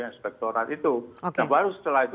inspektorat itu nah baru setelah itu